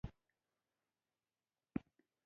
ګیلاس له نیکمرغیو ډک وي.